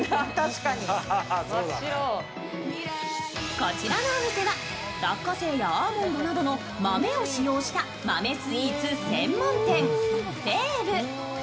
こちらのお店は落花生やアーモンドなどの豆を使用した豆スイーツ専門店、フェーヴ。